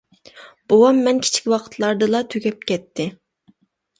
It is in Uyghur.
بوۋام مەن كىچىك ۋاقىتلاردىلا تۈگەپ كەتتى.